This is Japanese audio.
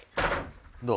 どう？